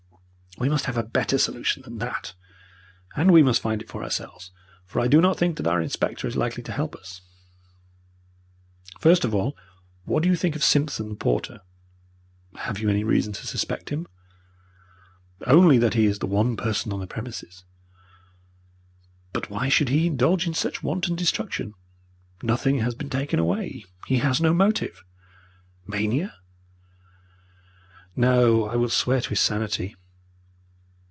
We must have a better solution than that, and we must find it for ourselves, for I do not think that our inspector is likely to help us. First of all, what do you think of Simpson, the porter?" "Have you any reason to suspect him?" "Only that he is the one person on the premises." "But why should he indulge in such wanton destruction? Nothing has been taken away. He has no motive." "Mania?" "No, I will swear to his sanity."